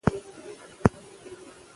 د تعلیم مخنیوی د ناپوهۍ نتیجه ده.